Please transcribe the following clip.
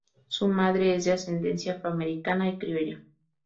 Su madre es de ascendencia afroamericana y criolla.